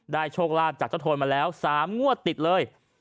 โชคลาภจากเจ้าโทนมาแล้ว๓งวดติดเลย